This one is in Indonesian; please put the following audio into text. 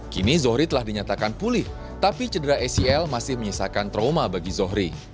kini zohri telah dinyatakan pulih tapi cedera acl masih menyisakan trauma bagi zohri